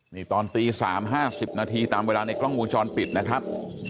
นี่ตอนตี๓๕๐นาทีตามเวลาในกล้องวงจรปิดนะครับ